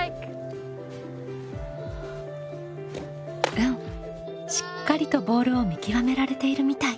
うんしっかりとボールを見極められているみたい。